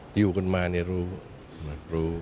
แต่อยู่กันมาเนี่ยรู้